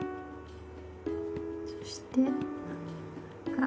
そして。